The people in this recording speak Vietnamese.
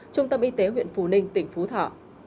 trung tâm y tế huyện phù ninh tỉnh phú thọ